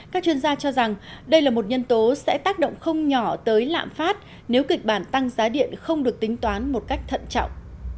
các chuyên gia cho rằng đây là một nhân tố sẽ tác động không nhỏ tới lạm phát nếu kịch bản tăng giá điện không được tính toán một cách thận trọng